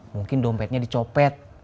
mungkin dompetnya dicopet